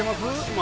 今。